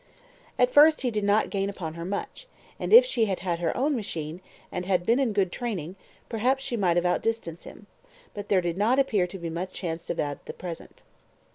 At first he did not gain upon her much, and, if she had had her own machine, and had been in good training, perhaps she might have outdistanced him; but there did not appear to be much chance of that at present.